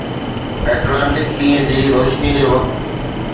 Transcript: Atlantic ڏينهن جي روشني جو وقت